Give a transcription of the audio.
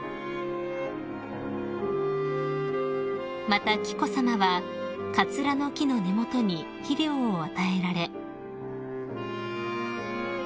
［また紀子さまはカツラの木の根元に肥料を与えられ］